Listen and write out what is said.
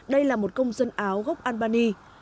đây là một công dân áo gốc albany